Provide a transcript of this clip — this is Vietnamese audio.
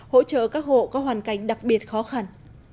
hỗ trợ các hộ có hoàn cảnh đặc biệt khó khăn